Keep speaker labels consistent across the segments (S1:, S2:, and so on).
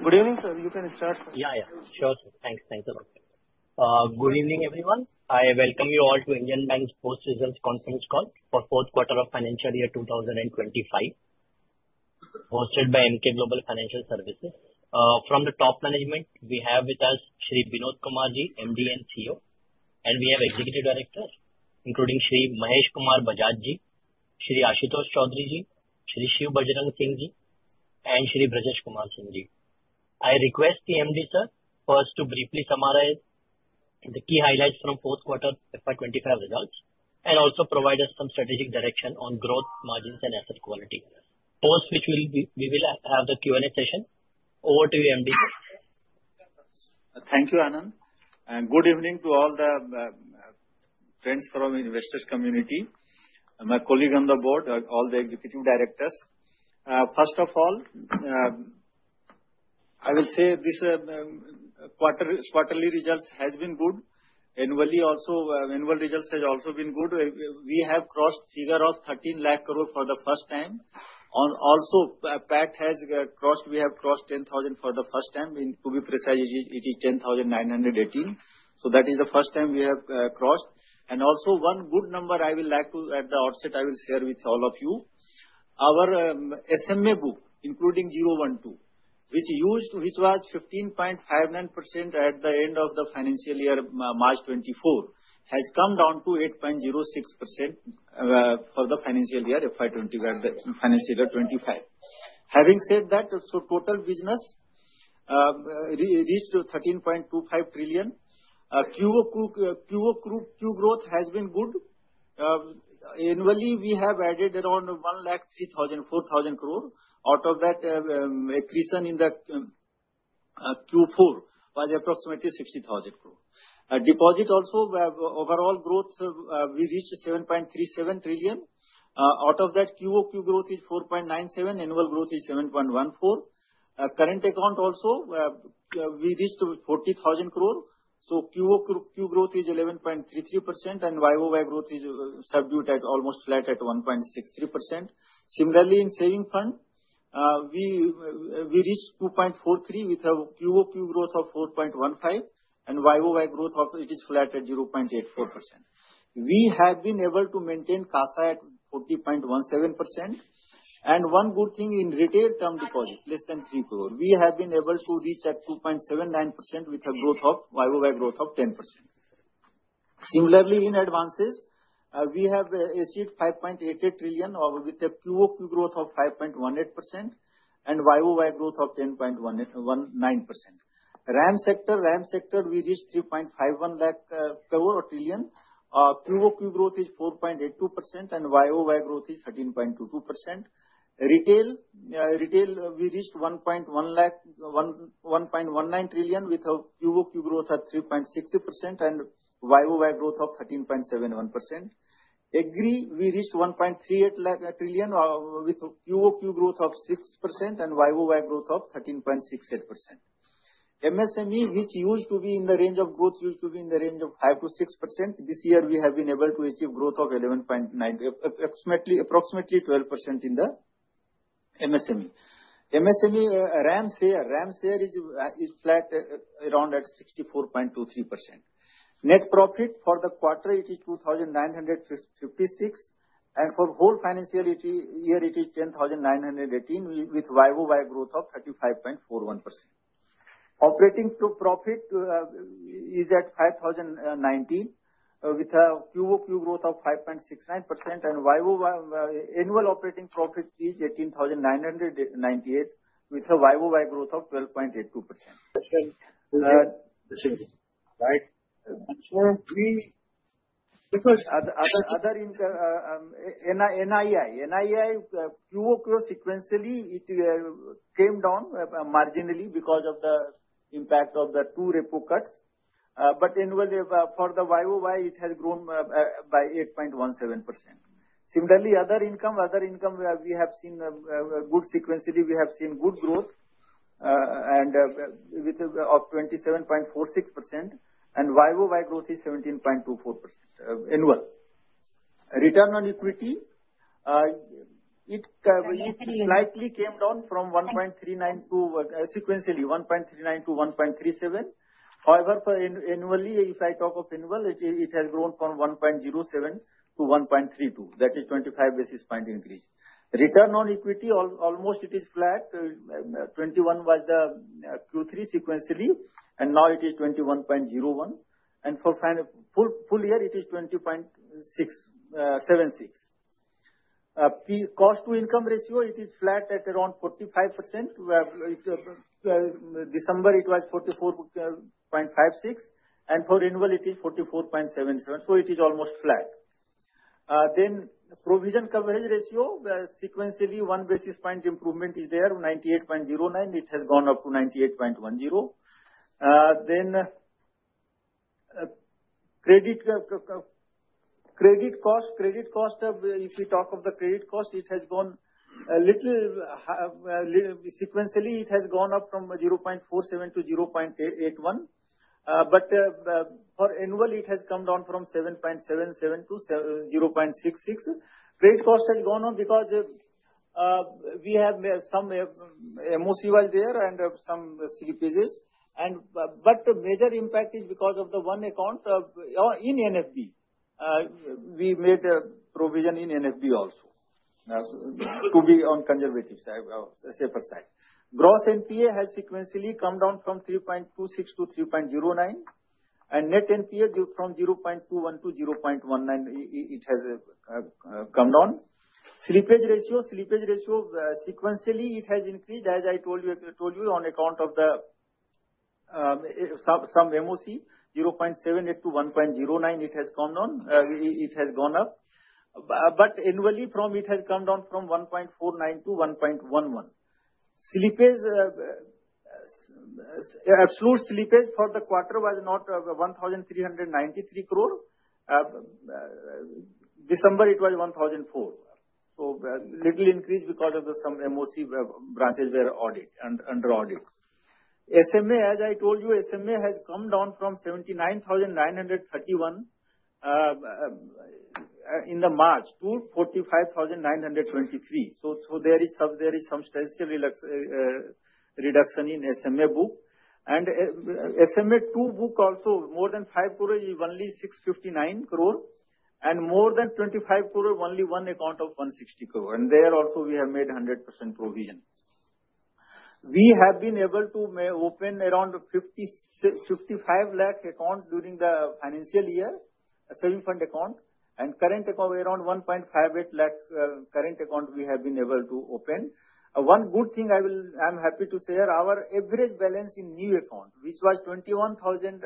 S1: Good evening, sir. You can start, sir.
S2: Yeah, yeah. Sure, sir. Thanks. Thanks a lot. Good evening, everyone. I welcome you all to Indian Bank's Post-Results Conference Call for the fourth quarter of financial year 2025, hosted by Emkay Global Financial Services. From the top management, we have with us Shri Vinod Kumar Ji, MD and CEO, and we have Executive Directors, including Shri Mahesh Kumar Bajaj Ji, Shri Ashutosh Choudhury Ji, Shri Shiv Bajrang Singh Ji, and Shri Brajesh Kumar Singh Ji. I request the MD, sir, first to briefly summarize the key highlights from the fourth quarter FY25 results and also provide us some strategic direction on growth, margins, and asset quality. Post which we will have the Q&A session. Over to you, MD.
S3: Thank you, Anand. And good evening to all the friends from the investors' community, my colleague on the board, all the executive directors. First of all, I will say this quarterly results have been good. Annually also, annual results have also been good. We have crossed the figure of 13 lakh crores for the first time. Also, PAT has crossed; we have crossed 10,000 for the first time. To be precise, it is 10,918. So that is the first time we have crossed. And also, one good number I will like to, at the outset, I will share with all of you. Our SMA book, including 012, which was 15.59% at the end of the financial year, March 2024, has come down to 8.06% for the financial year FY25. Having said that, so total business reached 13.25 trillion. Q growth has been good. Annually, we have added around 103,000, 4,000 crores. Out of that, the accretion in the Q4 was approximately INR 60,000 crores. Deposits also, overall growth, we reached 7.37 trillion. Out of that, QoQ growth is 4.97%. Annual growth is 7.14%. Current account also, we reached 40,000 crores. So QoQ growth is 11.33%, and YoY growth is subdued at almost flat at 1.63%. Similarly, in savings fund, we reached 2.43 trillion with a QoQ growth of 4.15%, and YoY growth of it is flat at 0.84%. We have been able to maintain CASA at 40.17%. And one good thing in retail term deposit, less than 3 crores, we have been able to reach at 2.79% with a growth of YoY growth of 10%. Similarly, in advances, we have achieved 5.88 trillion with a QoQ growth of 5.18% and YoY growth of 10.19%. RAM sector, RAM sector, we reached 3.51 lakh crores or trillion. QoQ growth is 4.82%, and YoY growth is 13.22%. Retail, we reached INR 1.19 trillion with a QoQ growth of 3.6% and YoY growth of 13.71%. Agri, we reached 1.38 trillion with a QoQ growth of 6% and YoY growth of 13.68%. MSME, which used to be in the range of 5% to 6% growth. This year, we have been able to achieve growth of 11.9, approximately 12% in the MSME. MSME, RAM share is flat around at 64.23%. Net profit for the quarter, it is 2,956, and for the whole financial year, it is 10,918 with YoY growth of 35.41%. Operating profit is at 5,019 with a QoQ growth of 5.69%, and YoY annual operating profit is 18,998 with a YoY growth of 12.82%. Question.Right.
S2: Sir, we.
S3: Because other income [and] NII QOQ sequentially, it came down marginally because of the impact of the two repo cuts. But annually, for the YOY, it has grown by 8.17%. Similarly, other income, we have seen good sequentially. We have seen good growth with a 27.46%, and YOY growth is 17.24% annual. Return on equity, it likely came down from 1.39 to sequentially 1.37. However, annually, if I talk of annual, it has grown from 1.07 to 1.32. That is 25 basis points increase. Return on equity, almost it is flat. 21 was the Q3 sequentially, and now it is 21.01. And for full year, it is 20.76. Cost to income ratio, it is flat at around 45%. December, it was 44.56, and for annual, it is 44.77. So it is almost flat. Then, provision coverage ratio, sequentially one basis point improvement is there, 98.09. It has gone up to 98.10. Then, credit cost, if we talk of the credit cost, it has gone a little sequentially. It has gone up from 0.47 to 0.81. But for annual, it has come down from 7.77 to 0.66. Credit cost has gone up because we have some MOC was there and some slippages. But the major impact is because of the one account in NFB. We made a provision in NFB also to be on conservative, safer side. Gross NPA has sequentially come down from 3.26 to 3.09, and net NPA from 0.21 to 0.19. It has come down. Slippage ratio, sequentially it has increased, as I told you, on account of some MOC, 0.78 to 1.09. It has come down. It has gone up. But annually, it has come down from 1.49 to 1.11. Absolute slippage for the quarter was at 1,393 crores. December, it was 1,004, so little increase because of some MOC branches were under audit. SMA, as I told you, SMA has come down from 79,931 in March to 45,923, so there is some substantial reduction in SMA book, and SMA 2 book also, more than 5 crores, only 659 crores, and more than 25 crores, only one account of 160 crores, and there also, we have made 100% provision. We have been able to open around 55 lakh account during the financial year, savings account, and current account, around 1.58 lakh current account we have been able to open. One good thing I'm happy to share, our average balance in new account, which was 21,000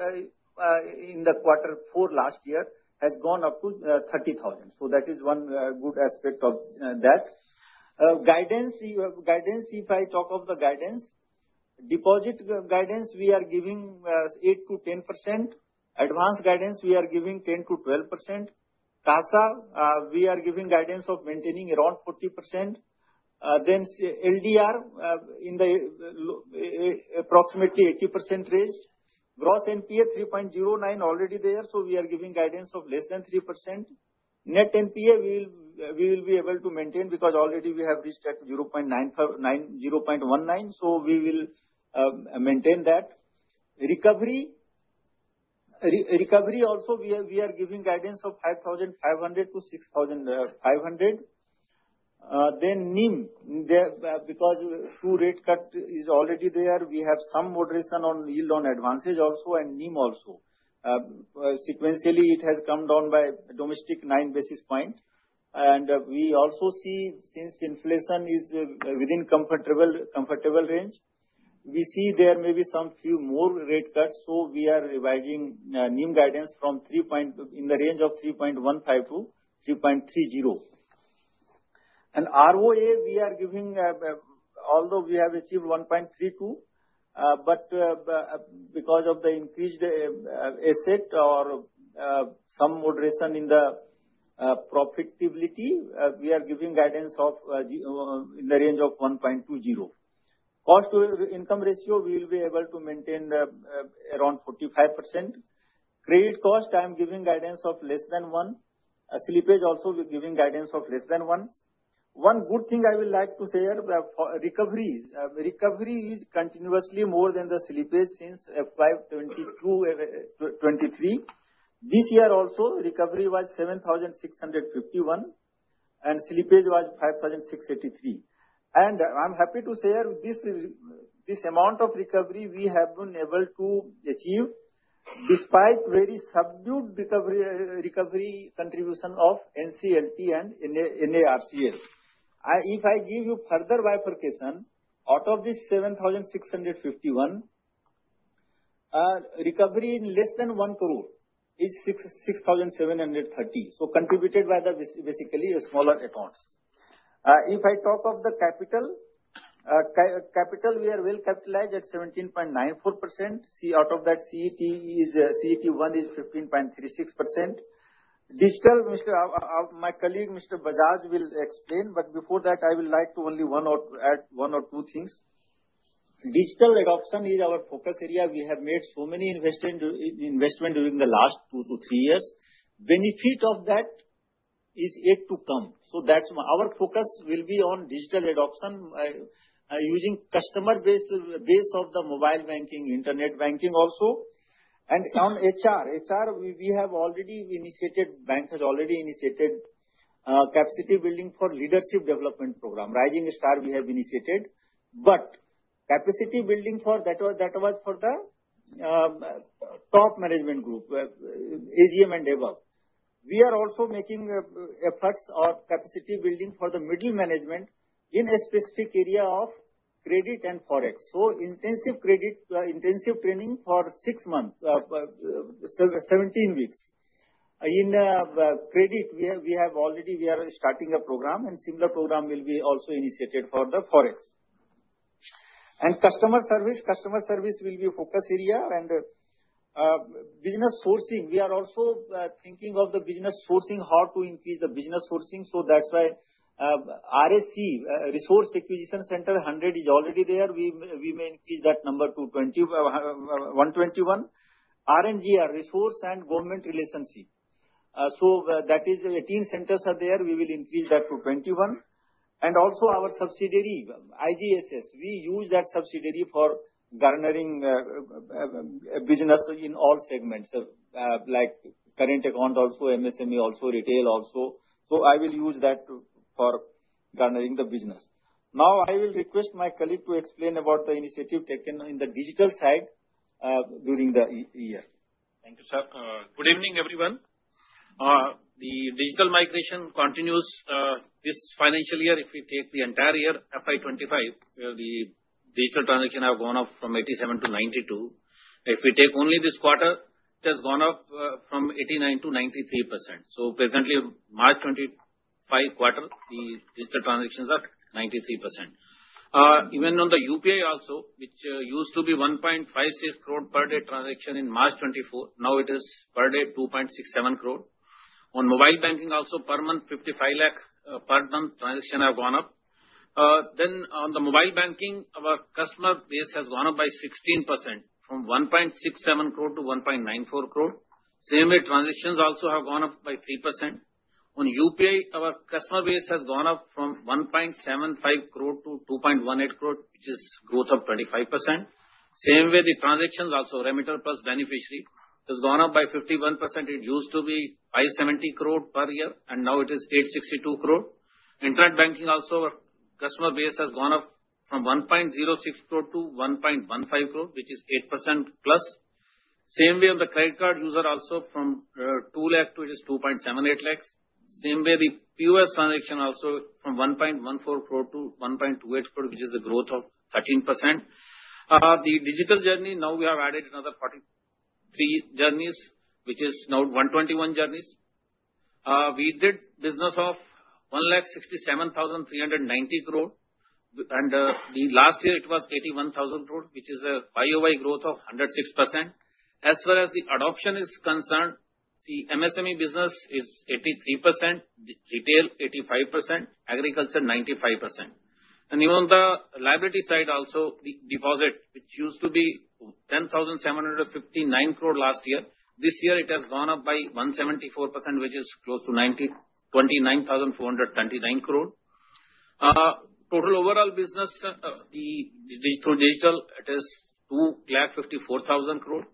S3: in the quarter four last year, has gone up to 30,000, so that is one good aspect of that. Guidance, if I talk of the guidance, deposit guidance, we are giving 8%-10%. Advance guidance, we are giving 10%-12%. CASA, we are giving guidance of maintaining around 40%. LDR in the approximately 80% range. Gross NPA 3.09% already there, so we are giving guidance of less than 3%. Net NPA, we will be able to maintain because already we have reached at 0.19%, so we will maintain that. Recovery, recovery also, we are giving guidance of 5,500-6,500. NIM, because two rate cut is already there, we have some moderation on yield on advances also, and NIM also. Sequentially, it has come down by domestic 9 basis points. We also see, since inflation is within comfortable range, we see there may be some few more rate cuts, so we are revising NIM guidance from 3.0% in the range of 3.15%-3.30%. And ROA, we are giving, although we have achieved 1.32, but because of the increased asset or some moderation in the profitability, we are giving guidance of in the range of 1.20. Cost to income ratio, we will be able to maintain around 45%. Credit cost, I'm giving guidance of less than one. Slippage also, we're giving guidance of less than one. One good thing I will like to share, recovery is continuously more than the slippage since FY2022, 2023. This year also, recovery was 7,651, and slippage was 5,683. And I'm happy to share this amount of recovery we have been able to achieve despite very subdued recovery contribution of NCLT and NARCL. If I give you further bifurcation, out of this 7,651, recovery in less than one crore is 6,730. So contributed by the basically smaller accounts. If I talk of the capital, capital we are well capitalized at 17.94%. Out of that, CET1 is 15.36%. Digital, my colleague Mr. Bajaj will explain, but before that, I will like to only add one or two things. Digital adoption is our focus area. We have made so many investments during the last two to three years. Benefit of that is yet to come. Our focus will be on digital adoption using customer base of the mobile banking, internet banking also. On HR, HR, we have already initiated, bank has already initiated capacity building for leadership development program. Rising Star we have initiated. Capacity building for that was for the top management group, AGM and above. We are also making efforts or capacity building for the middle management in a specific area of credit and forex. Intensive credit, intensive training for six months, 17 weeks. In credit, we have already, we are starting a program, and similar program will be also initiated for the forex. And customer service, customer service will be a focus area. And business sourcing, we are also thinking of the business sourcing, how to increase the business sourcing. So that's why RAC, Resource Acquisition Center, 100 is already there. We may increase that number to 121. R&GR, Resource and Government Relationship. So that is 18 centers are there. We will increase that to 21. And also our subsidiary, IGSS. We use that subsidiary for garnering business in all segments, like current account also, MSME also, retail also. So I will use that for garnering the business. Now I will request my colleague to explain about the initiative taken in the digital side during the year.
S4: Thank you, sir. Good evening, everyone. The digital migration continues this financial year. If we take the entire year, FY25, the digital transaction has gone up from 87% to 92%. If we take only this quarter, it has gone up from 89% to 93%. So presently, March 2025 quarter, the digital transactions are 93%. Even on the UPI also, which used to be 1.56 crore per day transaction in March 2024, now it is per day 2.67 crore. On mobile banking also, per month, 55 lakh per month transactions have gone up. Then on the mobile banking, our customer base has gone up by 16% from 1.67 crore to 1.94 crore. Same way, transactions also have gone up by 3%. On UPI, our customer base has gone up from 1.75 crore to 2.18 crore, which is growth of 25%. Same way, the transactions also, remittance plus beneficiary has gone up by 51%. It used to be 570 crore per year, and now it is 862 crore. Internet banking also, our customer base has gone up from 1.06 crore to 1.15 crore, which is 8% plus. Same way, on the credit card user also from 2 lakh to it is 2.78 lakhs. Same way, the POS transaction also from 1.14 crore to 1.28 crore, which is a growth of 13%. The digital journey, now we have added another 43 journeys, which is now 121 journeys. We did business of 1,67,390 crore, and last year, it was 81,000 crore, which is a YOY growth of 106%. As far as the adoption is concerned, the MSME business is 83%, retail 85%, agriculture 95%. On the liability side also, the deposit, which used to be 10,759 crore last year, this year it has gone up by 174%, which is close to 29,439 crore. Total overall business through digital, it is 254,000 crore.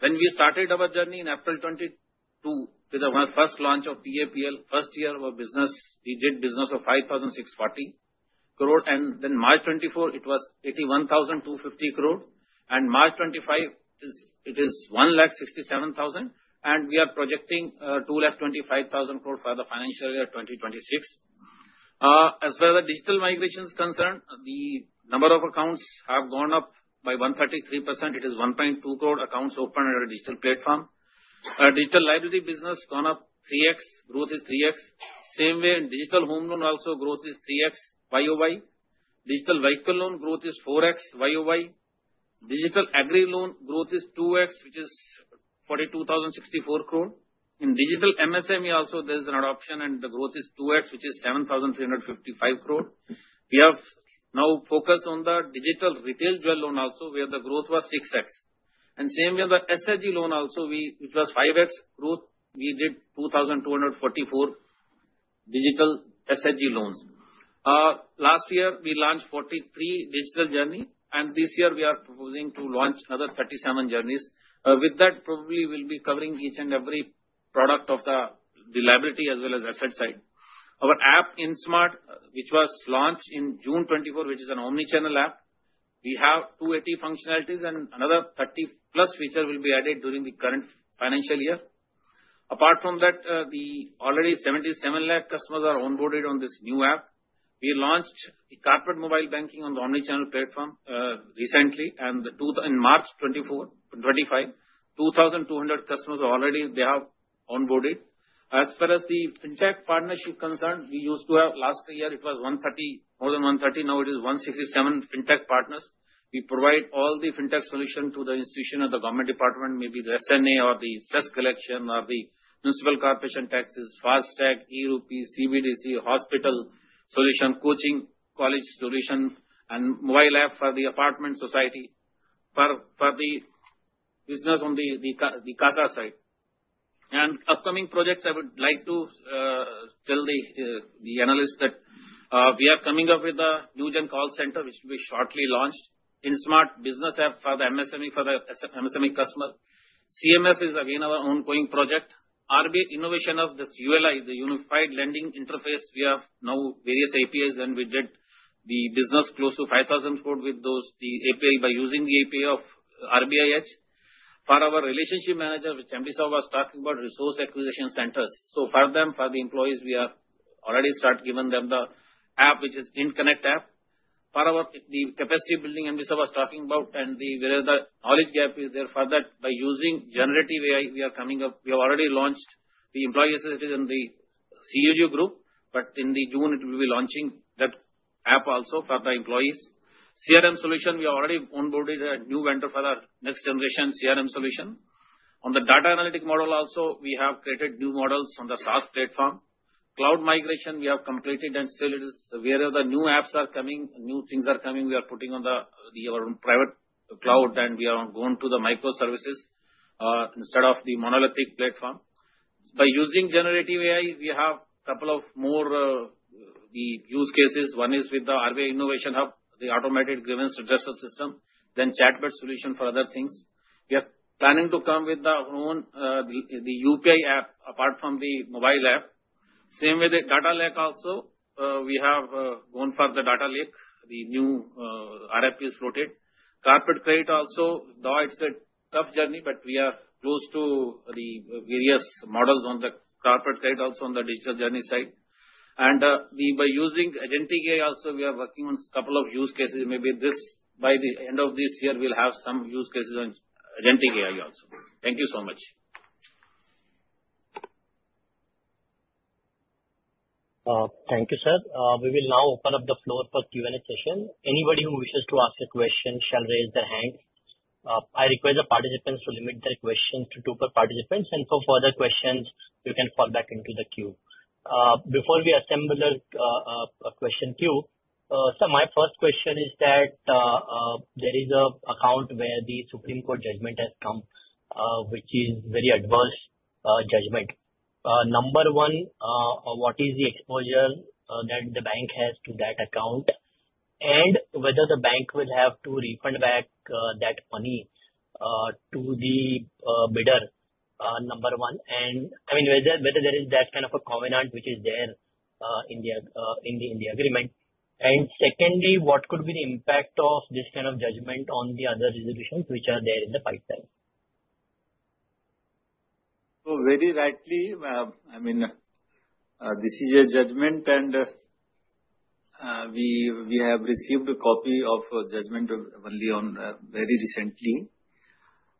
S4: When we started our journey in April 2022, with our first launch of PAPL, first year of our business, we did business of 5,640 crore. And then March 2024, it was 81,250 crore. And March 2025, it is 167,000. And we are projecting 225,000 crore for the financial year 2026. As far as the digital migration is concerned, the number of accounts have gone up by 133%. It is 1.2 crore accounts opened at our digital platform. Digital liability business gone up 3x, growth is 3x. Same way, in digital home loan also, growth is 3x YOY. Digital vehicle loan growth is 4x YOY. Digital agri loan growth is 2x, which is 42,064 crore. In digital MSME also, there is an adoption, and the growth is 2x, which is 7,355 crore. We have now focused on the digital retail joint loan also, where the growth was 6x. Same way, on the SHG loan also, which was 5x, growth we did 2,244 digital SHG loans. Last year, we launched 43 digital journey. This year, we are proposing to launch another 37 journeys. With that, probably we'll be covering each and every product of the liability as well as asset side. Our app IndSmart, which was launched in June 2024, which is an omnichannel app. We have 280 functionalities, and another 30-plus features will be added during the current financial year. Apart from that, the already 77 lakh customers are onboarded on this new app. We launched the corporate mobile banking on the omnichannel platform recently, and in March 2024, 2025, 2,200 customers already they have onboarded. As far as the fintech partnership concerned, we used to have last year, it was 130, more than 130. Now it is 167 fintech partners. We provide all the fintech solution to the institution of the government department, maybe the SNA or the CESS collection or the municipal corporation taxes, FASTag, e-RUPI, CBDC, hospital solution, coaching college solution, and mobile app for the apartment society for the business on the CASA side, and upcoming projects, I would like to tell the analysts that we are coming up with the New Gen Call Center, which will be shortly launched in IndSmart business app for the MSME, for the MSME customer. CMS is again our ongoing project. RBI innovation of the ULI, the Unified Lending Interface, we have now various APIs, and we did the business close to 5,000 crore with those, the API by using the API of RBIH for our relationship manager, which MDSA was talking about, resource acquisition centers. So for them, for the employees, we have already started giving them the app, which is Interconnect app. For our capacity building, MDSA was talking about, and the knowledge gap is there for that. By using generative AI, we are coming up, we have already launched the employee associates in the CUG group, but in June, it will be launching that app also for the employees. CRM solution, we have already onboarded a new vendor for the next generation CRM solution. On the data analytic model also, we have created new models on the SaaS platform. Cloud migration, we have completed, and still it is where the new apps are coming, new things are coming. We are putting on our own private cloud, and we are going to the microservices instead of the monolithic platform. By using generative AI, we have a couple of more use cases. One is with the RBI Innovation Hub, the automated grievance adjuster system, then chatbot solution for other things. We are planning to come with our own UPI app apart from the mobile app. Same with the data lake also, we have gone for the data lake, the new RFP is floated. Corporate credit also, though it's a tough journey, but we are close to the various models on the corporate credit also on the digital journey side. By using agentic AI also, we are working on a couple of use cases. Maybe by the end of this year, we'll have some use cases on agentic AI also. Thank you so much.
S2: Thank you, sir. We will now open up the floor for Q&A session. Anybody who wishes to ask a question shall raise their hand. I request the participants to limit their questions to two per participants. And for further questions, you can fall back into the queue. Before we assemble a question queue, sir, my first question is that there is an account where the Supreme Court judgment has come, which is a very adverse judgment. Number one, what is the exposure that the bank has to that account? And whether the bank will have to refund back that money to the bidder, number one. And I mean, whether there is that kind of a covenant which is there in the agreement. And secondly, what could be the impact of this kind of judgment on the other resolutions which are there in the pipeline?
S3: So very rightly, I mean, this is a judgment, and we have received a copy of a judgment only very recently.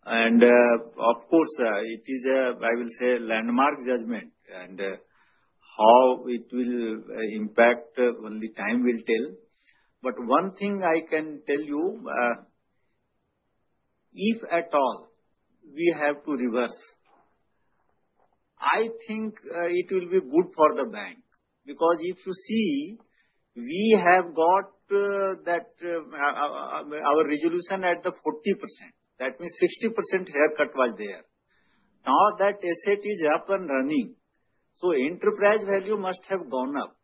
S3: And of course, it is, I will say, a landmark judgment. And how it will impact, only time will tell. But one thing I can tell you, if at all we have to reverse, I think it will be good for the bank. Because if you see, we have got our resolution at the 40%. That means 60% haircut was there. Now that asset is up and running. So enterprise value must have gone up.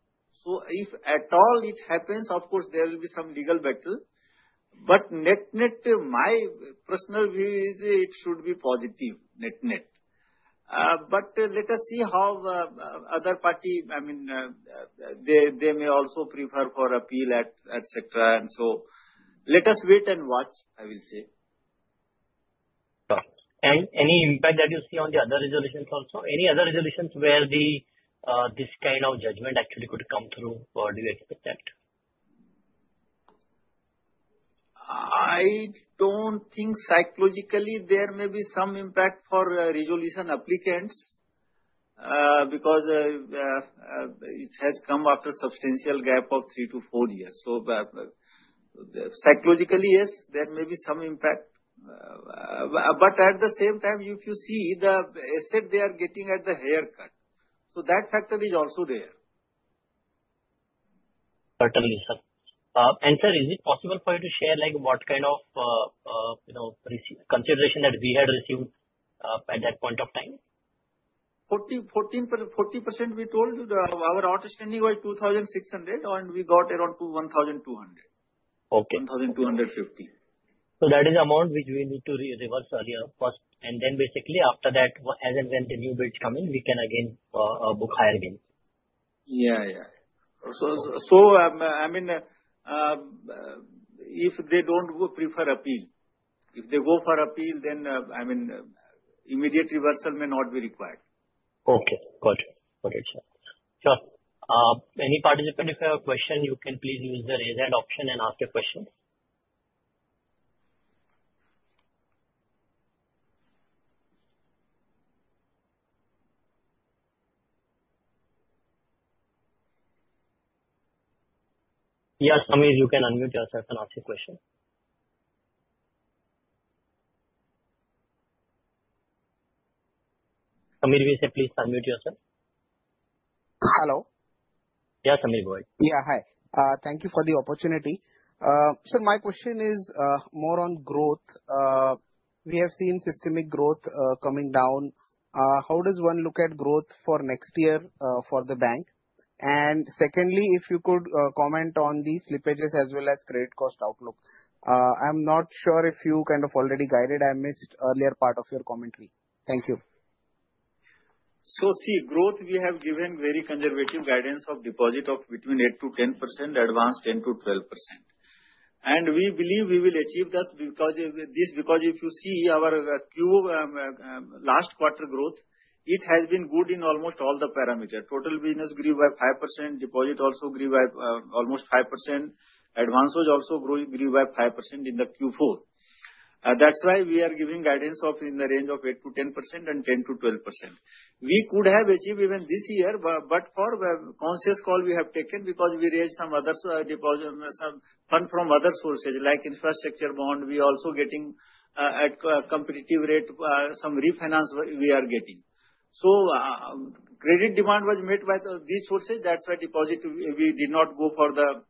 S3: So if at all it happens, of course, there will be some legal battle. But net net, my personal view is it should be positive, net net. But let us see how other party, I mean, they may also prefer for appeal, etc. And so let us wait and watch, I will say.
S2: Any impact that you see on the other resolutions also? Any other resolutions where this kind of judgment actually could come through? What do you expect that?
S3: I don't think psychologically there may be some impact for resolution applicants because it has come after a substantial gap of three to four years. So psychologically, yes, there may be some impact. But at the same time, if you see the asset they are getting at the haircut, so that factor is also there.
S2: Certainly, sir. And sir, is it possible for you to share what kind of consideration that we had received at that point of time?
S3: 40%. We told our outstanding was 2,600, and we got around 1,200.
S2: Okay.
S3: 1,250.
S2: So that is the amount which we need to reverse earlier first. And then basically after that, as and when the new bills come in, we can again book higher bills.
S3: Yeah, yeah. So I mean, if they don't prefer appeal, if they go for appeal, then I mean, immediate reversal may not be required.
S2: Okay. Got it. Got it, sir. Sir, any participant if you have a question, you can please use the raise hand option and ask your question. Yeah, Samir, you can unmute yourself and ask your question. Samir, please unmute yourself.
S5: Hello?
S2: Yeah, Samir.
S5: Yeah, hi. Thank you for the opportunity. Sir, my question is more on growth. We have seen systemic growth coming down. How does one look at growth for next year for the bank? And secondly, if you could comment on the slippages as well as credit cost outlook. I'm not sure if you kind of already guided. I missed earlier part of your commentary. Thank you.
S3: See, growth we have given very conservative guidance of deposit of between 8%-10%, advance 10%-12%. We believe we will achieve this because if you see our last quarter growth, it has been good in almost all the parameters. Total business grew by 5%, deposit also grew by almost 5%. Advance was also grew by 5% in the Q4. That's why we are giving guidance of in the range of 8%-10% and 10%-12%. We could have achieved even this year, but for conscious call we have taken because we raised some fund from other sources like Infrastructure Bond. We are also getting at competitive rate, some refinance we are getting. So credit demand was met by these sources. That's why deposit we did not go for the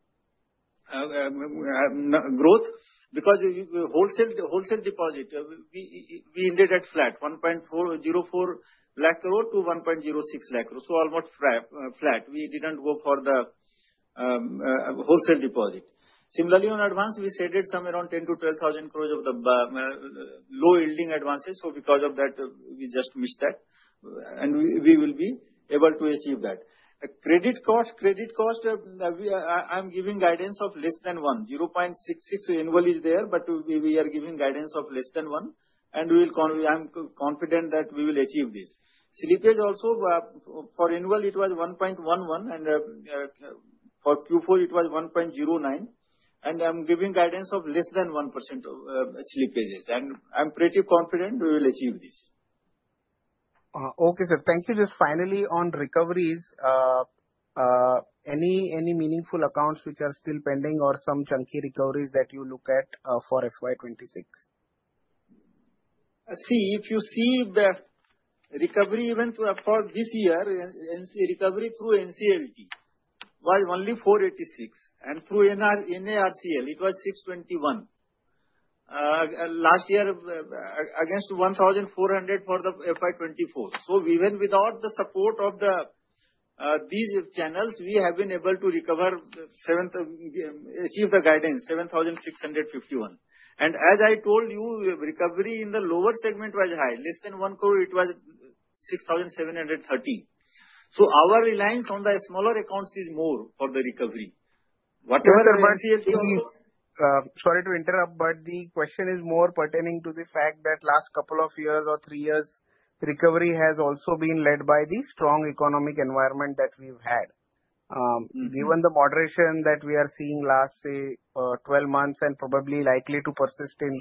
S3: growth because wholesale deposit, we ended at flat, 1.04 lakh crore-1.06 lakh crore. So almost flat. We didn't go for the wholesale deposit. Similarly, on advance, we said it's somewhere around 10-12,000 crores of the low yielding advances. So because of that, we just missed that. And we will be able to achieve that. Credit cost, I'm giving guidance of less than 1%. 0.66% annual is there, but we are giving guidance of less than 1%. And I'm confident that we will achieve this. Slippage also for annual it was 1.11%, and for Q4 it was 1.09%. And I'm giving guidance of less than 1% slippages. And I'm pretty confident we will achieve this.
S5: Okay, sir. Thank you. Just finally, on recoveries, any meaningful accounts which are still pending or some chunky recoveries that you look at for FY26?
S3: See, if you see the recovery event for this year, recovery through NCLT was only 486, and through NARCL, it was 621. Last year, against 1,400 for the FY24, so even without the support of these channels, we have been able to recover achieve the guidance, 7,651, and as I told you, recovery in the lower segment was high. Less than one crore, it was 6,730, so our reliance on the smaller accounts is more for the recovery. Whatever.
S5: Sorry to interrupt, but the question is more pertaining to the fact that last couple of years or three years, recovery has also been led by the strong economic environment that we've had. Given the moderation that we are seeing last, say, 12 months and probably likely to persist in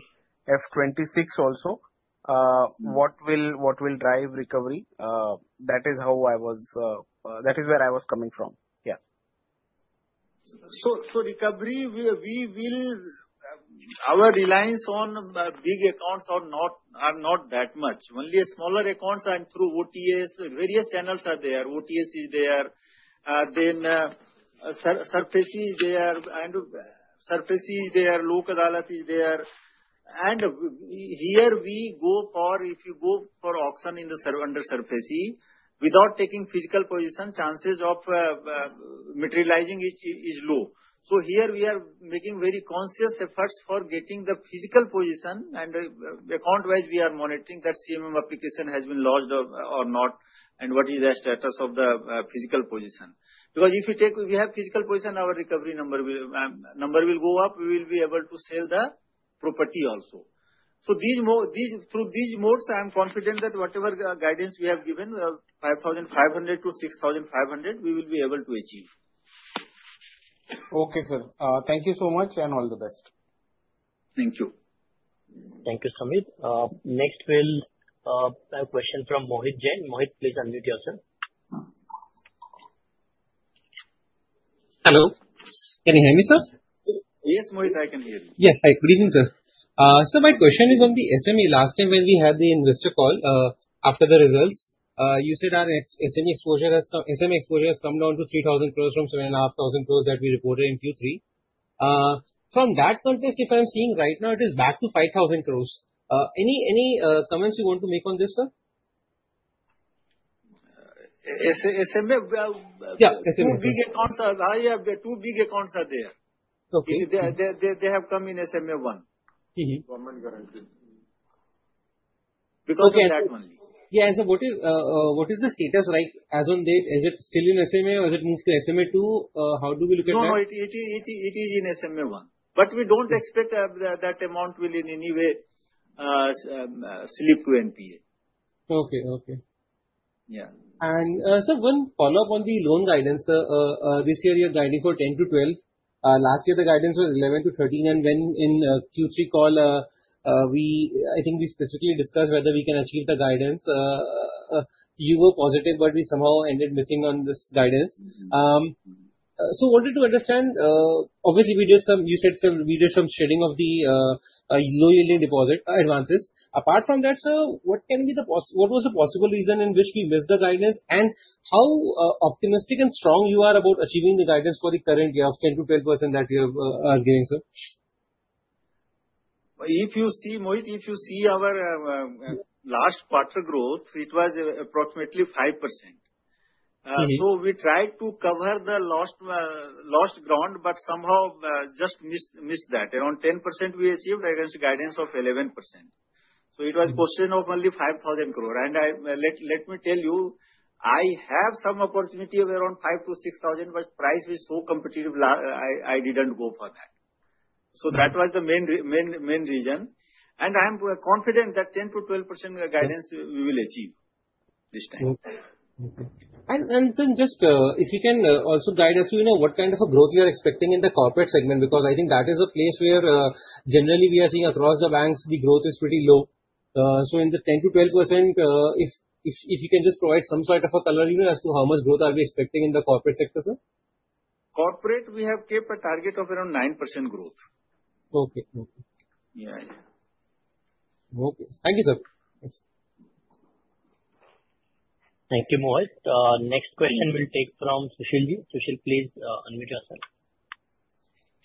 S5: FY26 also, what will drive recovery? That is how I was that is where I was coming from. Yeah.
S3: Recovery, our reliance on big accounts is not that much. Only smaller accounts and through OTS, various channels are there. OTS is there. Then SARFAESI is there. SARFAESI is there. Lok Adalat is there. And here we go for, if you go for auction under SARFAESI, without physical possession, chances of materializing is low. Here we are making very conscious efforts for getting physical possession. and account-wise, we are monitoring that CMM application has been lodged or not, and what is the status of physical possession. because if you take, we physical possession, our recovery number will go up. We will be able to sell the property also. Through these modes, I'm confident that whatever guidance we have given, 5,500-6,500, we will be able to achieve.
S5: Okay, sir. Thank you so much and all the best.
S3: Thank you.
S2: Thank you, Samir. Next, we'll have a question from Mohit Jain. Mohit, please unmute yourself.
S6: Hello. Can you hear me, sir?
S3: Yes, Mohit, I can hear you.
S6: Yes, hi. Good evening, sir. My question is on the SME. Last time, when we had the investor call after the results, you said our SME exposure has come down to 3,000 crores from 7,500 crores that we reported in Q3. From that context, if I'm seeing right now, it is back to 5,000 crores. Any comments you want to make on this, sir?
S3: SMF?
S6: Yeah, SMF.
S3: Two big accounts are there. They have come in SMA-1.
S6: Government guaranteed.
S3: Because of that only.
S6: Yeah, and sir, what is the status? As on date, is it still in SMA or has it moved to SMA2? How do we look at that?
S3: No, it is in SMA1. But we don't expect that amount will in any way slip to NPA.
S5: Okay, okay.
S6: Yeah. And, sir, one follow-up on the loan guidance. This year, you're guiding for 10%-12%. Last year, the guidance was 11%-13%. And when in Q3 call, I think we specifically discussed whether we can achieve the guidance. You were positive, but we somehow ended missing on this guidance. So wanted to understand, obviously, you said we did some shedding of the low yielding deposit advances. Apart from that, sir, what was the possible reason in which we missed the guidance? And how optimistic and strong you are about achieving the guidance for the current year of 10%-12% that you are giving, sir?
S3: If you see, Mohit, if you see our last quarter growth, it was approximately 5%. So we tried to cover the lost ground, but somehow just missed that. Around 10% we achieved against guidance of 11%. So it was a question of only 5,000 crores. And let me tell you, I have some opportunity of around 5,000-6,000 crores, but price was so competitive, I didn't go for that. So that was the main reason. And I'm confident that 10%-12% guidance we will achieve this time.
S6: Sir, just if you can also guide us, what kind of a growth you are expecting in the corporate segment? Because I think that is a place where generally we are seeing across the banks, the growth is pretty low. So in the 10%-12%, if you can just provide some sort of a color as to how much growth are we expecting in the corporate sector, sir?
S3: Corporate, we have kept a target of around 9% growth.
S6: Okay. Okay. Thank you, sir.
S2: Thank you, Mohit. Next question we'll take from Sushilji. Sushil, please unmute yourself.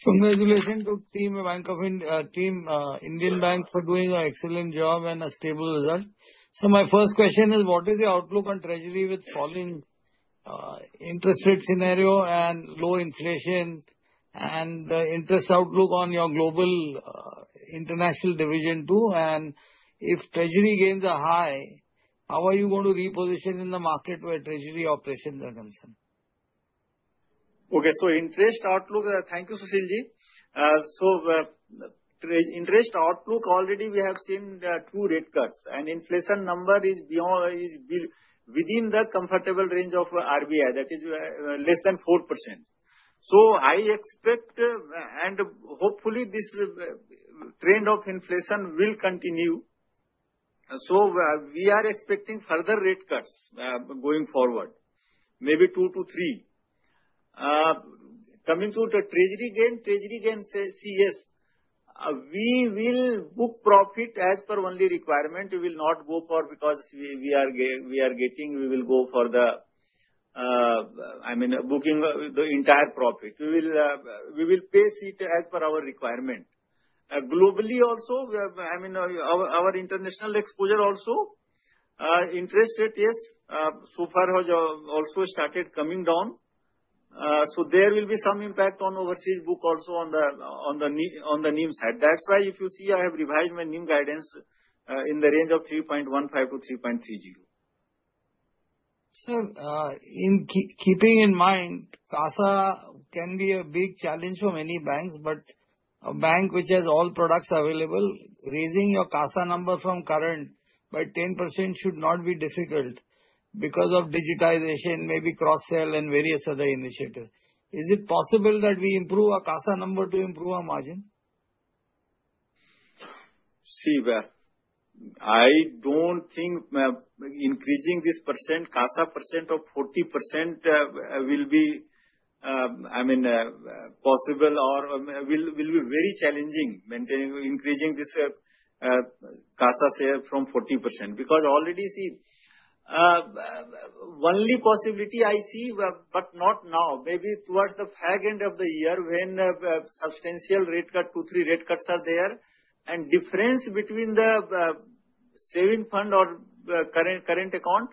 S7: Congratulations to Team Indian Bank for doing an excellent job and a stable result. So my first question is, what is your outlook on treasury with falling interest rate scenario and low inflation and the interest outlook on your global international division too? And if treasury gains are high, how are you going to reposition in the market where treasury operations are concerned?
S3: Okay, so interest outlook, thank you, Sushilji. So, interest outlook already we have seen two rate cuts. And inflation number is within the comfortable range of RBI. That is less than 4%. So, I expect and hopefully this trend of inflation will continue. So, we are expecting further rate cuts going forward. Maybe two to three. Coming to the treasury gain. Treasury gain, yes, we will book profit as per only requirement. We will not go for because we are getting, we will go for the, I mean, booking the entire profit. We will book it as per our requirement. Globally also, I mean, our international exposure also, interest rate, yes, so far has also started coming down. So, there will be some impact on overseas book also on the NIM side. That's why if you see, I have revised my NIM guidance in the range of 3.15%-3.30%.
S7: Sir, keeping in mind, CASA can be a big challenge for many banks, but a bank which has all products available, raising your CASA number from current by 10% should not be difficult because of digitization, maybe cross-sell and various other initiatives. Is it possible that we improve our CASA number to improve our margin?
S3: See, I don't think increasing this CASA percent of 40% will be. I mean, possible or will be very challenging increasing this CASA share from 40%. Because already, see, only possibility I see, but not now. Maybe towards the fag end of the year when substantial rate cut, two, three rate cuts are there and difference between the saving fund or current account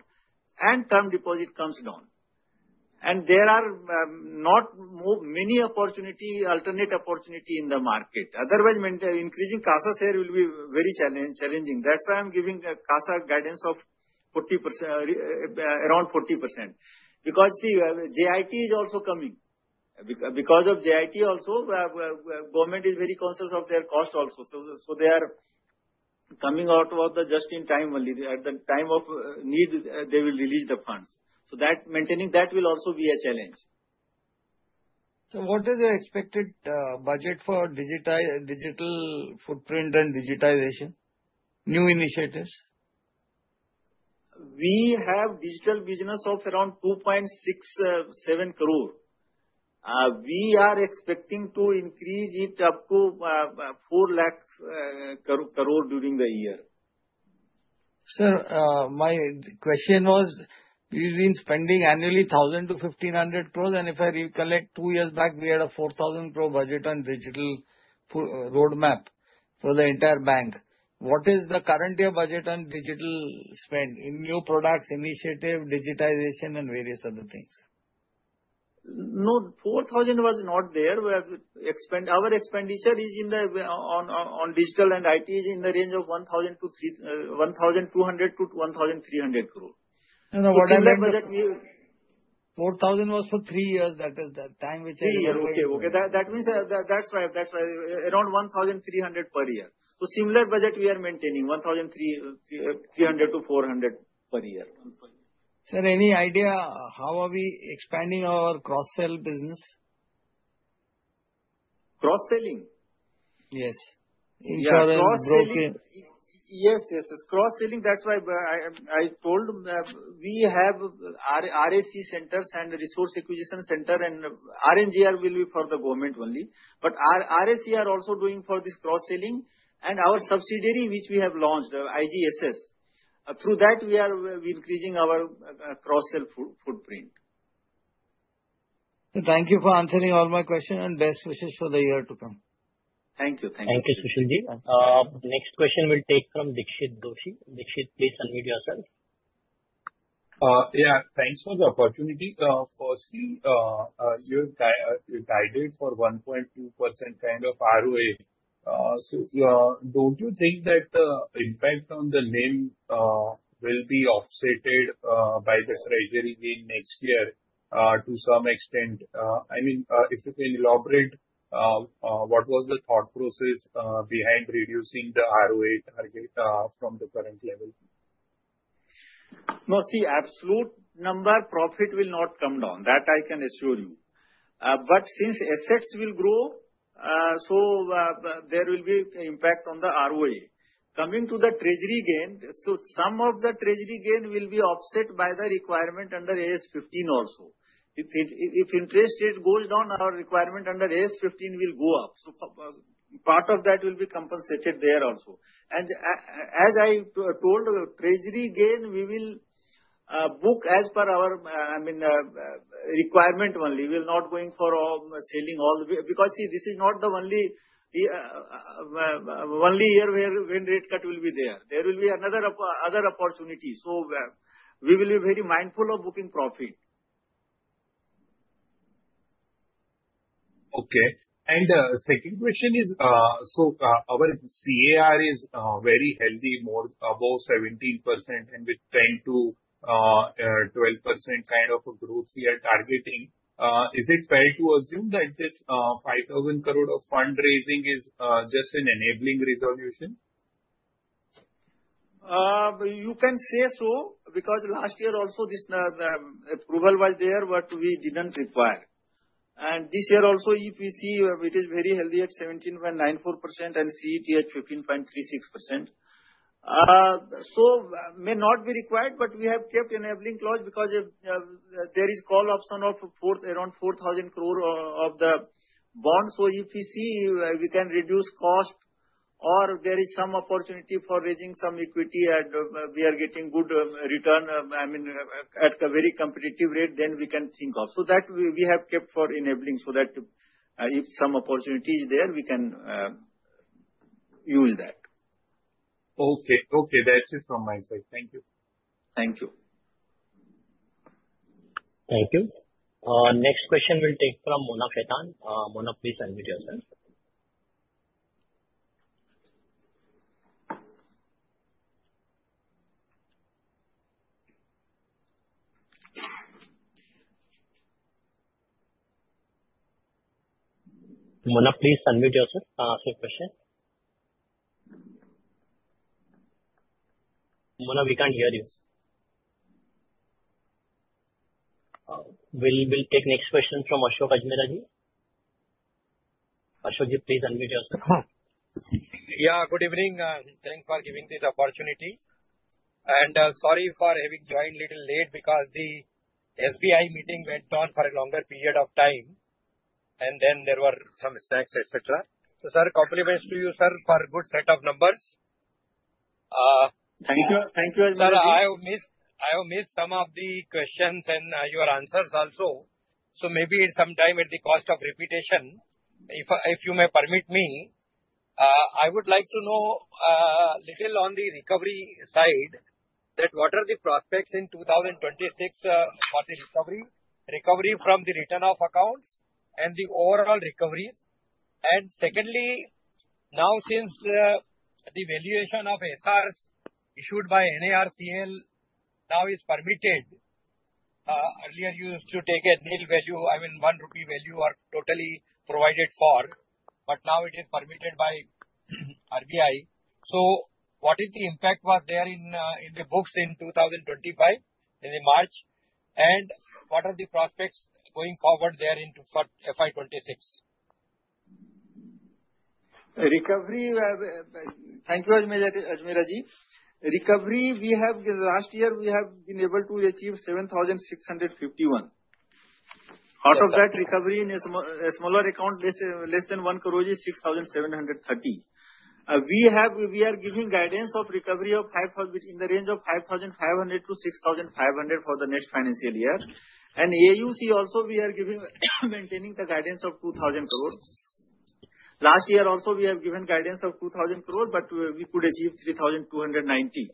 S3: and term deposit comes down. And there are not many opportunity, alternate opportunity in the market. Otherwise, increasing CASA share will be very challenging. That's why I'm giving CASA guidance of around 40%. Because see, JIT is also coming. Because of JIT also, government is very conscious of their cost also. So they are coming out of the just in time only. At the time of need, they will release the funds. So maintaining that will also be a challenge.
S7: What is the expected budget for digital footprint and digitization, new initiatives?
S3: We have digital business of around 2.67 crore. We are expecting to increase it up to 4 lakh crore during the year.
S7: Sir, my question was, we've been spending annually 1,000-1,500 crores. And if I recollect, two years back, we had a 4,000 crore budget on digital roadmap for the entire bank. What is the current year budget on digital spend in new products, initiative, digitization, and various other things?
S3: No, 4,000 was not there. Our expenditure is on digital and IT is in the range of 1,200 crore-1,300 crore.
S7: What is the budget?
S3: Similar budget.
S7: 4,000 was for three years. That is the time which I remember.
S3: Okay, okay. That means that's why around 1,300 per year, so similar budget we are maintaining, 1,300 to 400 per year.
S7: Sir, any idea how are we expanding our cross-sell business?
S3: Cross-selling?
S7: Yes. Insurance, broker.
S3: Yes, yes, yes. Cross-selling, that's why I told we have RSC centers and resource acquisition center and RNGR will be for the government only. But RSC are also doing for this cross-selling and our subsidiary which we have launched, IGSS. Through that, we are increasing our cross-sell footprint.
S7: Thank you for answering all my questions and best wishes for the year to come.
S3: Thank you. Thank you.
S2: Thank you, Sushilji. Next question we'll take from Dixit Doshi. Dixit, please unmute yourself.
S8: Yeah, thanks for the opportunity. Firstly, you guided for 1.2% kind of ROA. So don't you think that the impact on the NIM will be offset by the treasury gain next year to some extent? I mean, if you can elaborate, what was the thought process behind reducing the ROA target from the current level?
S3: No, see, absolute number profit will not come down. That I can assure you. But since assets will grow, so there will be impact on the ROA. Coming to the treasury gain, so some of the treasury gain will be offset by the requirement under AS 15 also. If interest rate goes down, our requirement under AS 15 will go up. So part of that will be compensated there also. And as I told, treasury gain, we will book as per our, I mean, requirement only. We will not going for selling all the way. Because see, this is not the only year when rate cut will be there. There will be another other opportunity. So we will be very mindful of booking profit.
S8: Okay. And second question is, so our CAR is very healthy, more above 17% and with 10%-12% kind of a growth we are targeting. Is it fair to assume that this 5,000 crore of fundraising is just an enabling resolution?
S3: You can say so. Because last year also, this approval was there, but we didn't require. And this year also, if we see, it is very healthy at 17.94% and CET1 at 15.36%. So may not be required, but we have kept enabling clause because there is call option of around 4,000 crore of the bond. So if we see we can reduce cost or there is some opportunity for raising some equity and we are getting good return, I mean, at a very competitive rate, then we can think of. So that we have kept for enabling so that if some opportunity is there, we can use that.
S8: Okay, okay. That's it from my side. Thank you.
S3: Thank you.
S2: Thank you. Next question we'll take from Mona Khetan. Mona, please unmute yourself. Mona, please unmute yourself and ask your question. Mona, we can't hear you. We'll take next question from Ashok Ajmera. Ashok ji, please unmute yourself.
S9: Yeah, good evening. Thanks for giving this opportunity. And sorry for having joined a little late because the SBI meeting went on for a longer period of time. And then there were some snacks, etc. So sir, compliments to you, sir, for a good set of numbers.
S3: Thank you.
S9: Sir, I have missed some of the questions and your answers also. So maybe sometime at the cost of reputation, if you may permit me, I would like to know a little on the recovery side, that what are the prospects in 2026 for the recovery from the return of accounts and the overall recoveries? And secondly, now since the valuation of SRs issued by NARCL now is permitted, earlier used to take at NIL value, I mean, 1 rupee value are totally provided for, but now it is permitted by RBI. So what is the impact was there in the books in 2025, in March? And what are the prospects going forward there into FY26?
S3: Thank you, Ajmera. Recovery, we have last year, we have been able to achieve 7,651. Out of that recovery in a smaller account, less than 1 crore is 6,730. We are giving guidance of recovery in the range of 5,500-6,500 for the next financial year. AUC also, we are maintaining the guidance of 2,000 crore. Last year also, we have given guidance of 2,000 crore, but we could achieve 3,290.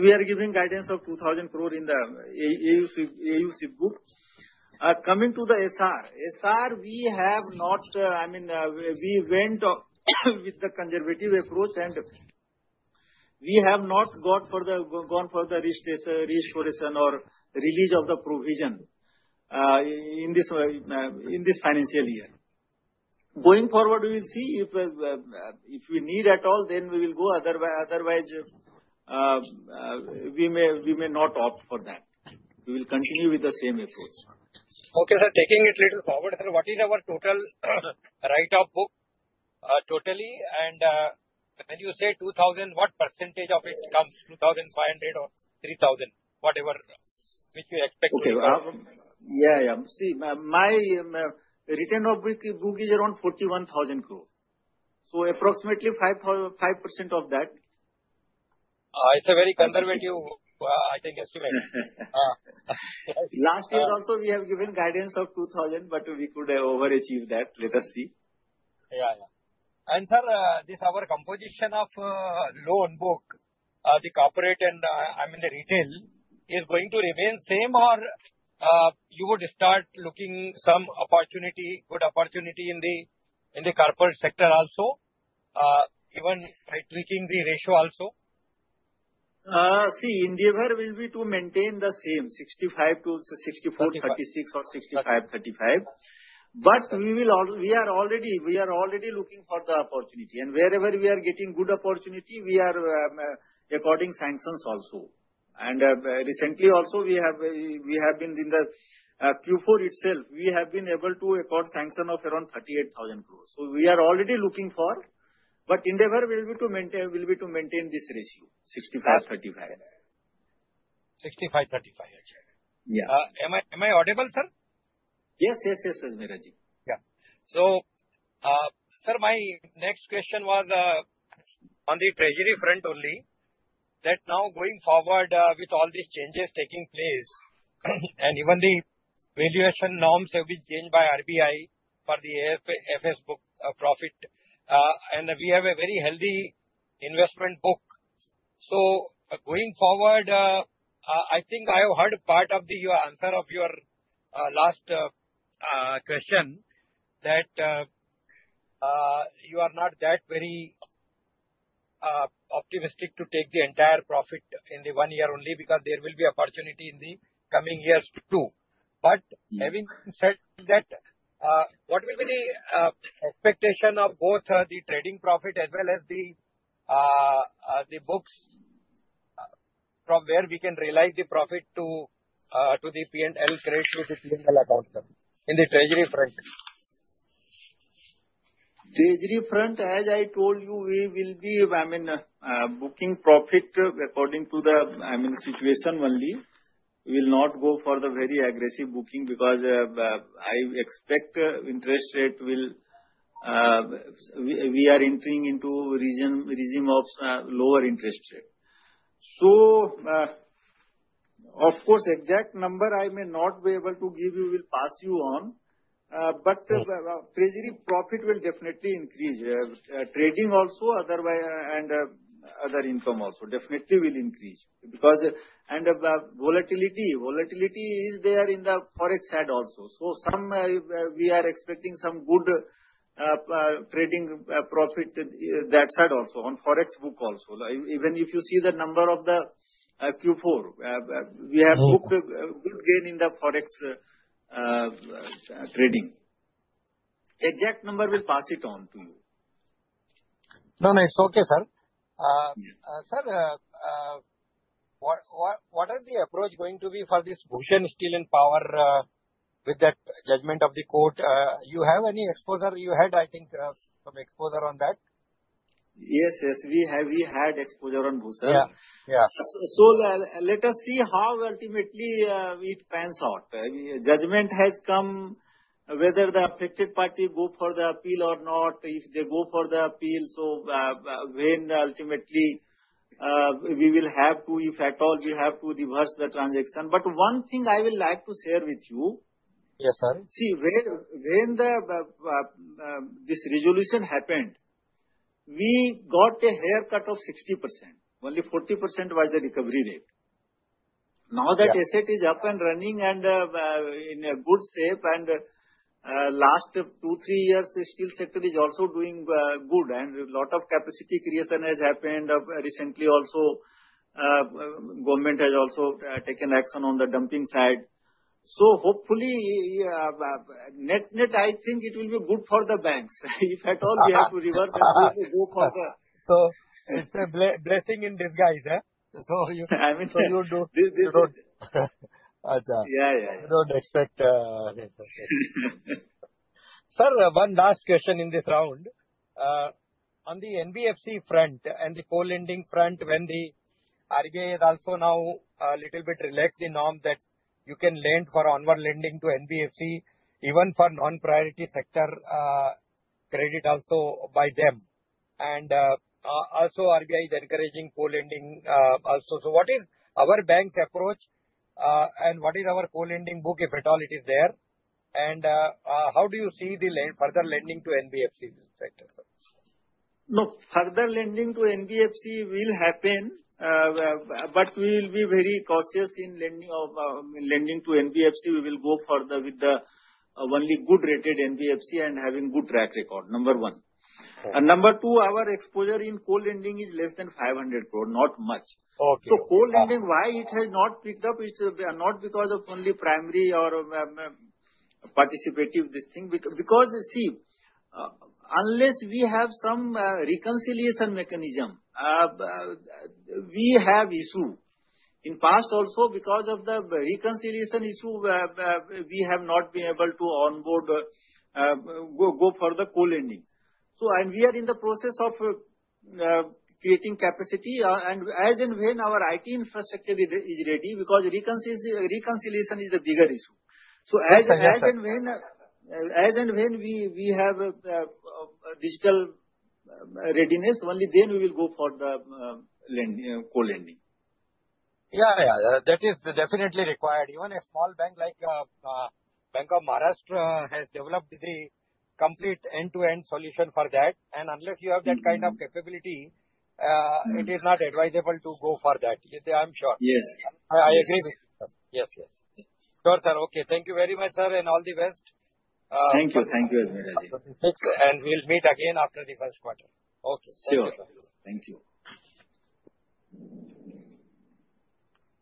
S3: We are giving guidance of 2,000 crore in the AUC book. Coming to the SR, SR, we have not, I mean, we went with the conservative approach and we have not gone for the restoration or release of the provision in this financial year. Going forward, we will see if we need at all, then we will go. Otherwise, we may not opt for that. We will continue with the same approach.
S9: Okay, sir, taking it a little forward, sir, what is our total write-off book totally? And when you say 2,000, what percentage of it comes, 2,500 or 3,000, whatever which you expect?
S3: Okay, yeah, yeah. See, my return on book is around 41,000 crore. So approximately 5% of that.
S9: It's a very conservative, I think, estimate.
S3: Last year also, we have given guidance of 2,000, but we could have overachieved that. Let us see.
S9: Yeah, yeah. And sir, this our composition of loan book, the corporate and, I mean, the retail is going to remain same or you would start looking some opportunity, good opportunity in the corporate sector also, even by tweaking the ratio also?
S3: See, LDR will be to maintain the same, 65 to 64:36 or 65:35. But we are already looking for the opportunity. And wherever we are getting good opportunity, we are according sanctions also. And recently also, we have been in the Q4 itself, we have been able to accord sanction of around 38,000 crore. So we are already looking for, but LDR will be to maintain this ratio, 65:35.
S9: 65, 35, okay. Am I audible, sir?
S3: Yes, yes, yes, Ajmera ji.
S9: Yeah. So, sir, my next question was on the treasury front only, that now going forward with all these changes taking place, and even the valuation norms have been changed by RBI for the FS book profit, and we have a very healthy investment book. So going forward, I think I have heard part of the answer of your last question that you are not that very optimistic to take the entire profit in the one year only because there will be opportunity in the coming years too. But having said that, what will be the expectation of both the trading profit as well as the books from where we can realize the profit to the P&L credit to the P&L account in the treasury front?
S3: Treasury front, as I told you, we will be, I mean, booking profit according to the, I mean, situation only. We will not go for the very aggressive booking because I expect interest rate will. We are entering into a regime of lower interest rate. So of course, exact number I may not be able to give you, will pass you on. But treasury profit will definitely increase. Trading also, and other income also definitely will increase. And volatility is there in the Forex side also. So we are expecting some good trading profit that side also on Forex book also. Even if you see the number of the Q4, we have booked good gain in the Forex trading. Exact number will pass it on to you.
S9: No, no, it's okay, sir. Sir, what are the approach going to be for this Bhushan Steel and Power with that judgment of the court? You have any exposure? You had, I think, some exposure on that?
S3: Yes, yes. We had exposure on Bhushan.
S9: Yeah, yeah.
S3: So let us see how ultimately it pans out. Judgment has come whether the affected party go for the appeal or not. If they go for the appeal, so when ultimately we will have to, if at all, we have to reverse the transaction. But one thing I will like to share with you.
S9: Yes, sir.
S3: See, when this resolution happened, we got a haircut of 60%. Only 40% was the recovery rate. Now that asset is up and running and in a good shape, and last two, three years, the steel sector is also doing good, and a lot of capacity creation has happened recently also. Government has also taken action on the dumping side. So hopefully, net, I think it will be good for the banks. If at all, we have to reverse and go for the.
S9: So it's a blessing in disguise.
S3: So you don't expect.
S9: Sir, one last question in this round. On the NBFC front and the co-lending front, when the RBI has also now a little bit relaxed the norm that you can lend for onward lending to NBFC, even for non-priority sector credit also by them. And also RBI is encouraging co-lending also. So what is our bank's approach and what is our co-lending book if at all it is there? And how do you see the further lending to NBFC sector?
S3: No, further lending to NBFC will happen, but we will be very cautious in lending to NBFC. We will go further with the only good rated NBFC and having good track record, number one. Number two, our exposure in co-lending is less than 500 crore, not much. So co-lending, why it has not picked up is not because of only primary or participative this thing. Because see, unless we have some reconciliation mechanism, we have issue. In past also, because of the reconciliation issue, we have not been able to go for the co-lending. So we are in the process of creating capacity. And as and when our IT infrastructure is ready, because reconciliation is the bigger issue. So as and when we have digital readiness, only then we will go for the co-lending. Yeah, yeah. That is definitely required.
S9: Even a small bank like Bank of Maharashtra has developed the complete end-to-end solution for that. And unless you have that kind of capability, it is not advisable to go for that. I'm sure.
S3: Yes.
S9: I agree with you. Yes, yes. Sure, sir. Okay. Thank you very much, sir, and all the best.
S3: Thank you. Thank you, Ajmera ji.
S9: Thanks. And we'll meet again after the first quarter. Okay.
S3: Sure. Thank you.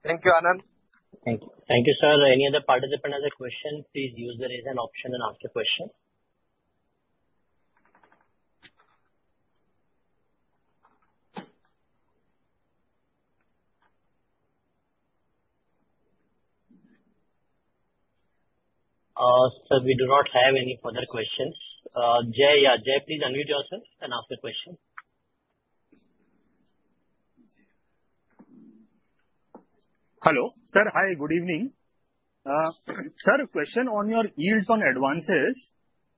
S9: Thank you, Anand.
S2: Thank you, sir. Any other participant has a question? Please use the raise hand option and ask a question. Sir, we do not have any further questions. Jay, yeah, Jay, please unmute yourself and ask a question. Hello. Sir, hi, good evening. Sir, question on your yields on advances.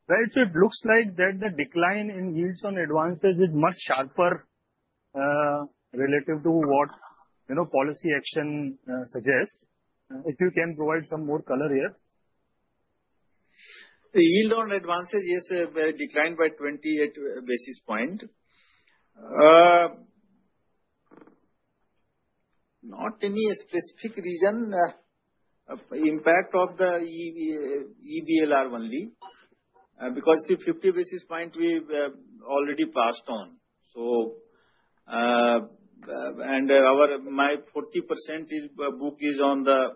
S2: Right, it looks like that the decline in yields on advances is much sharper relative to what policy action suggests. If you can provide some more color here.
S3: The yield on advances is declined by 28 basis points. Not any specific reason. Impact of the EBLR only. Because 50 basis points, we already passed on. And my 40% book is on the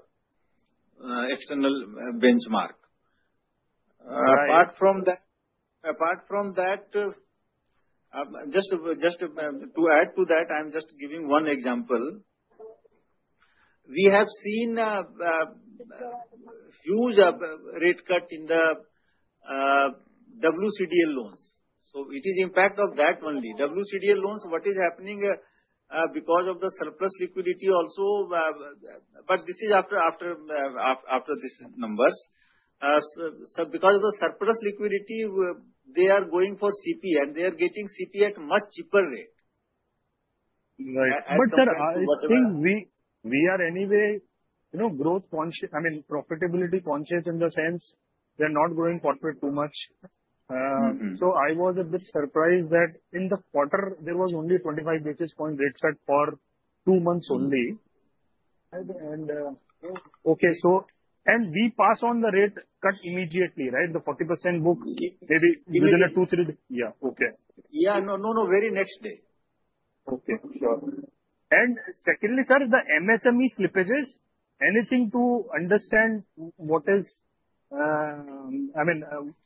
S3: external benchmark. Apart from that, just to add to that, I'm just giving one example. We have seen a huge rate cut in the WCDL loans. So it is the impact of that only. WCDL loans, what is happening because of the surplus liquidity also, but this is after these numbers. So because of the surplus liquidity, they are going for CP and they are getting CP at a much cheaper rate. Right. But sir, I think we are anyway growth conscious. I mean, profitability conscious in the sense they are not growing profit too much. So I was a bit surprised that in the quarter, there was only 25 basis point rate cut for two months only. And okay, so we pass on the rate cut immediately, right? The 40% book, maybe within a two, three days. Yeah, okay. Yeah, no, no, no, very next day. Okay, sure. And secondly, sir, the MSME slippages. Anything to understand what is? I mean,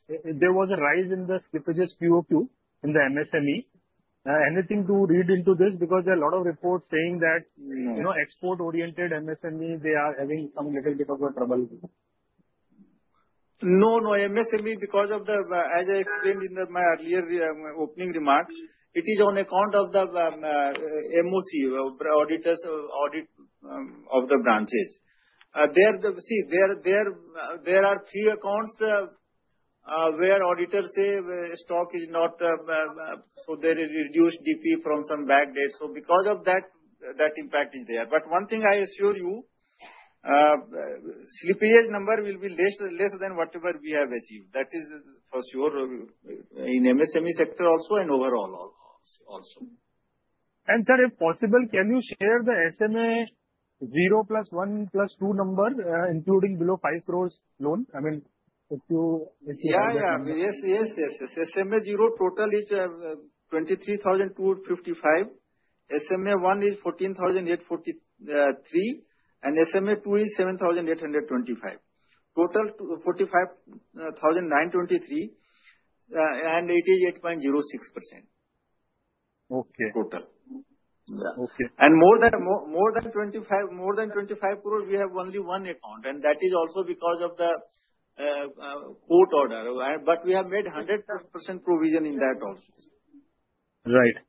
S3: there was a rise in the slippages QOQ in the MSME. Anything to read into this? Because there are a lot of reports saying that export-oriented MSME, they are having some little bit of a trouble. No, no, MSME, because of the, as I explained in my earlier opening remark, it is on account of the MOC, auditors' audit of the branches. See, there are few accounts where auditors say stock is not, so there is reduced DP from some back date. So because of that, that impact is there. But one thing I assure you, slippage number will be less than whatever we have achieved. That is for sure in MSME sector also and overall also. And sir, if possible, can you share the SMA 0 plus 1 plus 2 number, including below 5 crores loan? I mean, if you know. SMA 0 total is 23,255. SMA 1 is 14,843. And SMA 2 is 7,825. Total 45,923. And it is 8.06%. Okay. Total. Yeah. Okay. And more than 25 crore, we have only one account. And that is also because of the court order. But we have made 100% provision in that also. Right.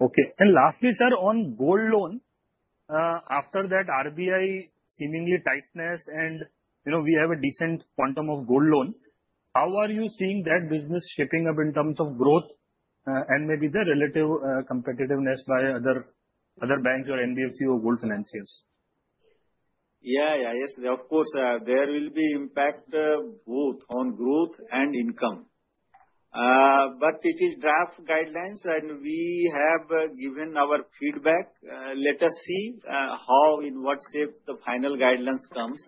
S3: Okay. And lastly, sir, on gold loan, after that RBI seemingly tightness and we have a decent quantum of gold loan, how are you seeing that business shaping up in terms of growth and maybe the relative competitiveness by other banks or NBFC or gold financiers? Yeah, yeah. Yes, of course. There will be impact both on growth and income. But it is draft guidelines, and we have given our feedback. Let us see how, in what shape the final guidelines comes.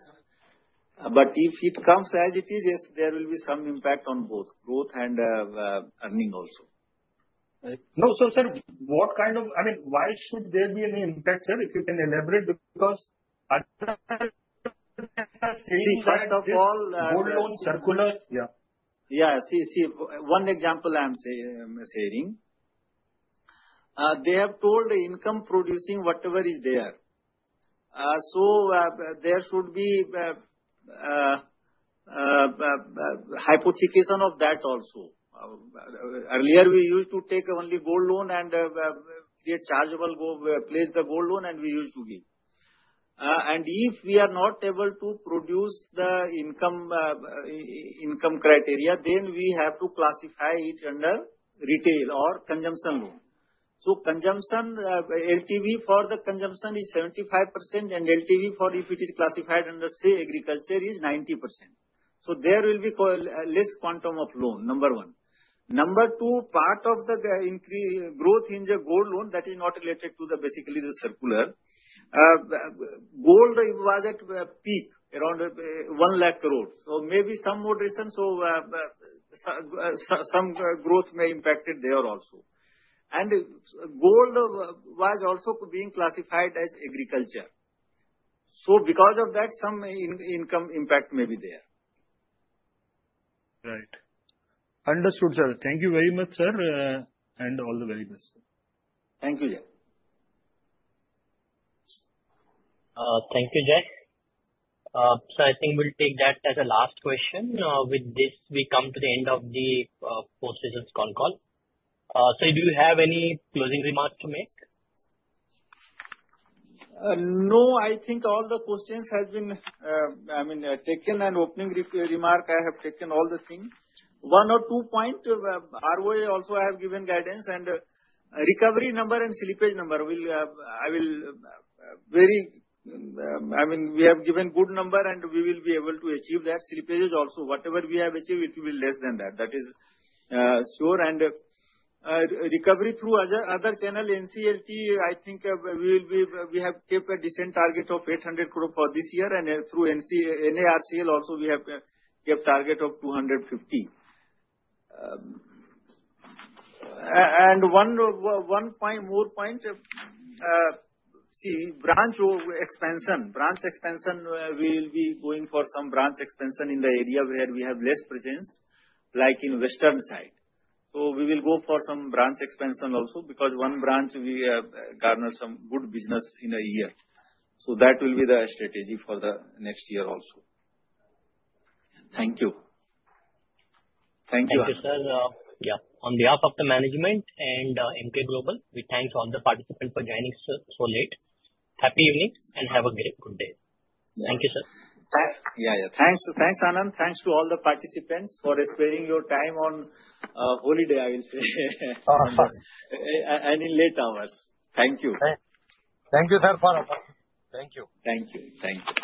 S3: But if it comes as it is, there will be some impact on both growth and earning also. Right. No, so sir, what kind of, I mean, why should there be any impact, sir, if you can elaborate? Because I'm not saying that gold loan circular. See, first of all, gold loan circular. Yeah. Yeah. See, see, one example I am sharing. They have told income producing whatever is there. So there should be hypothecation of that also. Earlier, we used to take only gold loan and get chargeable, place the gold loan, and we used to give. And if we are not able to produce the income criteria, then we have to classify it under retail or consumption loan. So consumption, LTV for the consumption is 75%, and LTV for if it is classified under say agriculture is 90%. So there will be less quantum of loan, number one. Number two, part of the growth in the gold loan, that is not related to the basically the circular. Gold was at peak around 1 lakh crore. So maybe some moderation, so some growth may impacted there also. And gold was also being classified as agriculture. Because of that, some income impact may be there. Right. Understood, sir. Thank you very much, sir, and all the very best. Thank you, Jay.
S2: Thank you, Jay. So I think we'll take that as a last question. With this, we come to the end of the post-session call. Sir, do you have any closing remarks to make?
S3: No, I think all the questions have been, I mean, taken and opening remark, I have taken all the things. One or two point, ROA also I have given guidance and recovery number and slippage number. I will very, I mean, we have given good number and we will be able to achieve that. Slippage is also, whatever we have achieved, it will be less than that. That is sure. And recovery through other channel, NCLT, I think we have kept a decent target of 800 crore for this year. And through NARCL also, we have kept target of 250. And one more point, see, branch expansion. Branch expansion, we will be going for some branch expansion in the area where we have less presence, like in western side. So we will go for some branch expansion also because one branch we have garnered some good business in a year. So that will be the strategy for the next year also. Thank you.
S2: Thank you, sir. Yeah. On behalf of the management and Emkay Global, we thank all the participants for joining so late. Happy evening and have a great good day. Thank you, sir.
S3: Yeah, yeah. Thanks, Anand. Thanks to all the participants for sparing your time on holiday, I will say.
S2: Oh, of course.
S3: In late hours. Thank you.
S2: Thank you, sir. Thank you.
S3: Thank you. Thank you.